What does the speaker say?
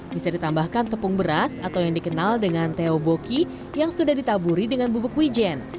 bisa ditambahkan tepung beras atau yang dikenal dengan theoboki yang sudah ditaburi dengan bubuk wijen